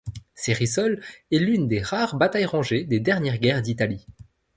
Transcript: Cérisoles est l'une des rares batailles rangées des dernières guerres d'Italie.